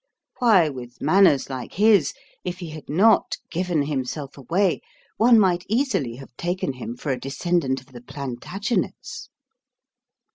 Why, with manners like his, if he had not given himself away, one might easily have taken him for a descendant of the Plantagenets.